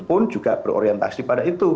pun juga berorientasi pada itu